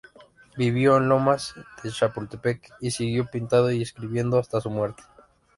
Vivió en Lomas de Chapultepec, y siguió pintando y escribiendo hasta su muerte.